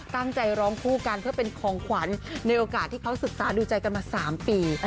ตั้งใจร้องคู่กันเพื่อเป็นของขวัญในโอกาสที่เขาศึกษาดูใจกันมา๓ปี